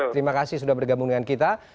terima kasih sudah bergabung dengan kita